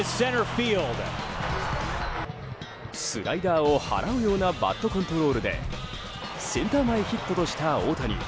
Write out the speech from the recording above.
スライダーを払うようなバットコントロールでセンター前ヒットとした大谷。